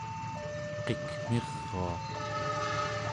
qikmiruaq